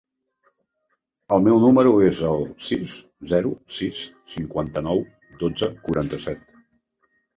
El meu número es el sis, zero, sis, cinquanta-nou, dotze, quaranta-set.